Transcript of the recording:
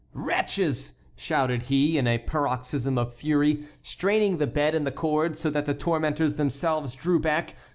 "Wretches!" shouted he, in a paroxysm of fury, straining the bed and the cords so that the tormentors themselves drew back.